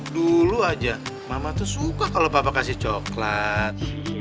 dulu aja mama tuh suka kalau papa kasih coklat